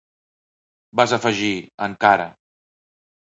—vas afegir, encara.